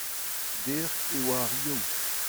dec'h e oa ar Yaou.